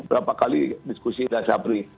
berapa kali diskusi dengan sapri